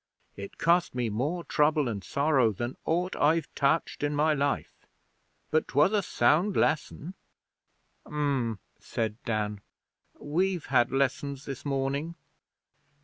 It cost me more trouble and sorrow than aught I've touched in my life. But 'twas a sound lesson.' 'Um,' said Dan. 'We've had lessons this morning.'